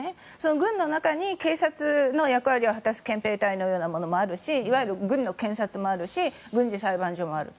軍の中に警察の役割を果たす憲兵隊的なものもあるしいわゆる軍の検察もあるし軍事裁判所もあると。